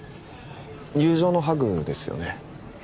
友情のハグですよね